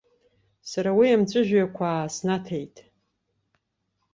Сара уи амҵәыжәҩақәа ааснаҭеит.